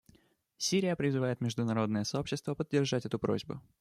Сирия призывает международное сообщество поддержать эту просьбу.